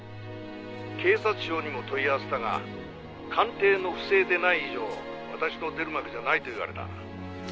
「警察庁にも問い合わせたが鑑定の不正でない以上私の出る幕じゃないと言われた」